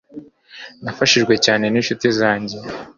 nafashijwe cyane n'incuti zanjye